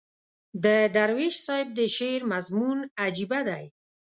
د درویش صاحب د شعر مضمون عجیبه دی.